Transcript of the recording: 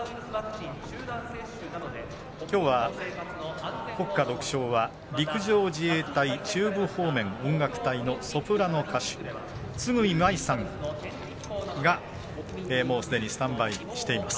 きょうは国歌独唱は陸上自衛隊中部方面音楽隊のソプラノ歌手の鶫真衣さんがもうすでにスタンバイしています。